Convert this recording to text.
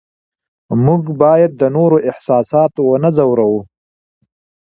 موږ باید د نورو احساسات ونه ځورو